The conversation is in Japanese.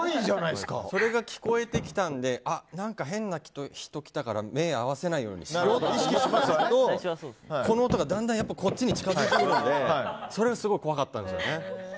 それが聞こえてきたので何か変な人が来たから目合わせないようにしようと意識したんですけど音がだんだん近づいてくるんでそれがすごい怖かったんですね。